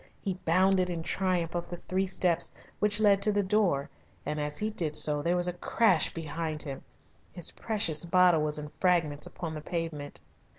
He bounded in triumph up the three steps which led to the door, and as he did so there was a crash behind him. His precious bottle was in fragments upon the pavement.